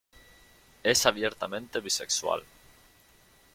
Es abiertamente bisexual.